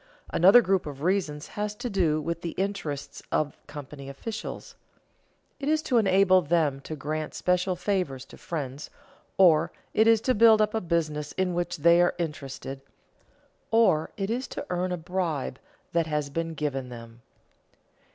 Another group of reasons has to do with the interests of company officials. It is to enable them to grant special favors to friends; or it is to build up a business in which they are interested; or it is to earn a bribe that has been given them.